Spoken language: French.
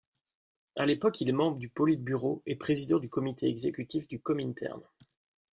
À l'époque, il est membre du Politburo et président du comité exécutif du Komintern.